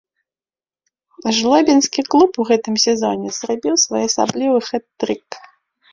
Жлобінскі клуб у гэтым сезоне зрабіў своеасабліва хэт-трык.